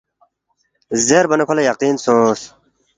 زیربا نہ کھو لہ یقین سونگس